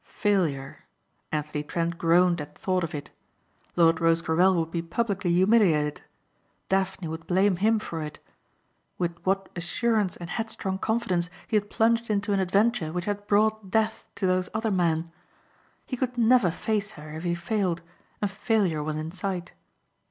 Failure! Anthony Trent groaned at thought of it; Lord Rosecarrel would be publicly humiliated. Daphne would blame him for it. With what assurance and headstrong confidence he had plunged into an adventure which had brought death to those other men! He could never face her if he failed and failure was in sight.